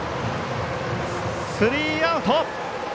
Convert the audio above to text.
スリーアウト！